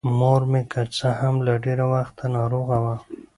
مـور مـې کـه څـه هـم له ډېـره وخـته نـاروغـه وه.